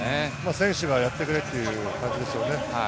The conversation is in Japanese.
選手がやってくれっていう感じでしょうね。